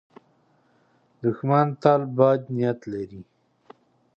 دښمن تل بد نیت لري